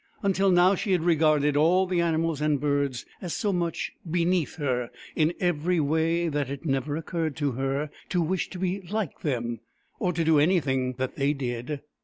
Until now, she had regarded all the animals and birds as so much beneath her in every way that it never occurred to her to wish to be like them, or to do anything that they did.